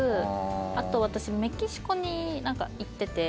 あと私メキシコに行ってて。